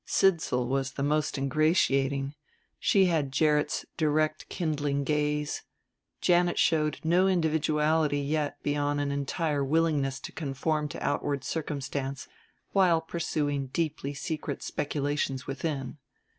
Sidsall was the most ingratiating she had Gerrit's direct kindling gaze; Janet showed no individuality yet beyond an entire willingness to conform to outward circumstance while pursuing deeply secret speculations within.